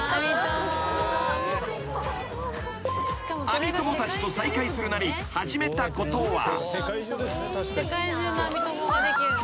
［アミ友たちと再会するなり始めたことは］